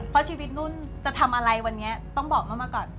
เพราะชีวิตนุ่นจะทำอะไรวันนี้ต้องบอกนุ่นมาก่อน